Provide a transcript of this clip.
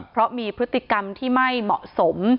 เพราะมีพฤติกรรมที่ไม่เหมาะสม